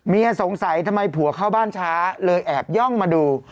สงสัยทำไมผัวเข้าบ้านช้าเลยแอบย่องมาดู